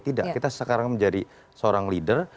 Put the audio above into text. tidak kita sekarang menjadi seorang leader